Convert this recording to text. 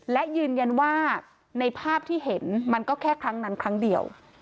และยืนยันว่าในภาพที่เห็นมันก็แค่ครั้งนั้นครั้งเดียว